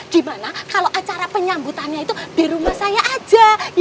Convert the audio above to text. gimana kalau acara penyambutannya itu di rumah saya aja